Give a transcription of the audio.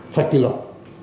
phải kỷ luật